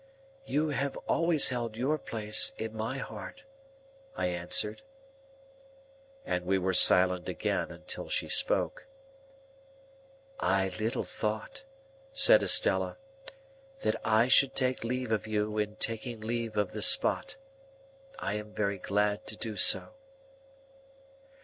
"You have always held your place in my heart," I answered. And we were silent again until she spoke. "I little thought," said Estella, "that I should take leave of you in taking leave of this spot. I am very glad to do so."